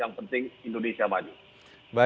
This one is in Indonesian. yang penting indonesia maju